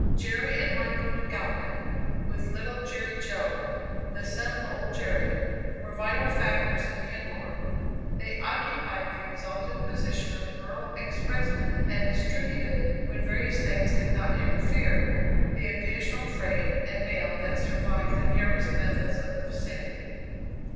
Jerry and Michael McAlpin, with little Jerry Jo, the son of old Jerry, were vital factors in Kenmore. They occupied the exalted position of rural expressmen, and distributed, when various things did not interfere, the occasional freight and mail that survived the careless methods of the vicinity.